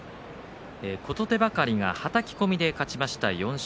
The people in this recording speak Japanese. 琴手計、はたき込みで勝ちました。